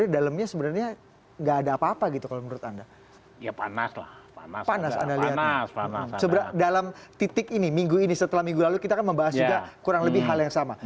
dalam titik ini minggu ini setelah minggu lalu kita akan membahas juga kurang lebih hal yang sama